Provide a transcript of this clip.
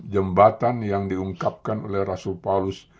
jembatan yang diungkapkan oleh rasul paulus